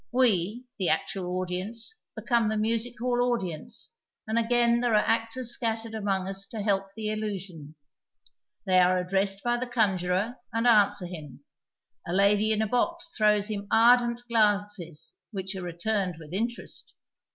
We, the actual audience, become the music hall audience, and again there are actors scattered among us to heliD the illusion. They are addressed by the conjurer and answer him ; a lady in a box throws him ardent glances which are returned with interest.